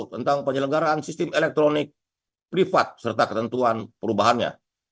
tentang penyelenggaraan sistem elektronik privat serta ketentuan perubahannya